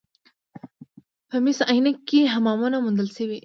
په مس عینک کې حمامونه موندل شوي